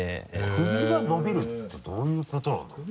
首が伸びるってどういうことなんだろう？